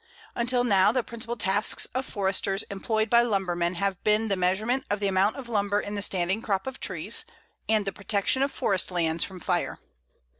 Until now the principal tasks of Foresters employed by lumbermen have been the measurement of the amount of lumber in the standing crop of trees, and the protection of forest lands from fire.